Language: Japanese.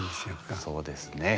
ああそうですね。